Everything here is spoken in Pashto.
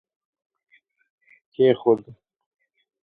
کښېښود